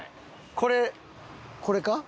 これこれか？